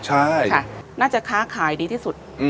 ใช่ค่ะน่าจะค้าขายดีที่สุด